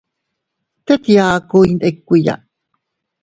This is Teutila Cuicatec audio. Tet yaku iyndikuiya.